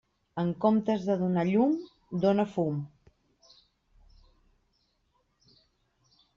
En comptes de donar llum, dóna fum.